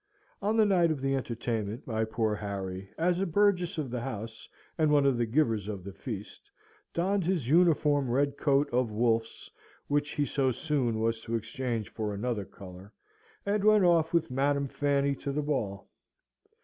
On the night of that entertainment, my poor Harry, as a Burgess of the House, and one of the givers of the feast, donned his uniform red coat of Wolfe's (which he so soon was to exchange for another colour), and went off with Madam Fanny to the ball.